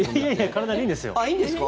体にいいんですよ！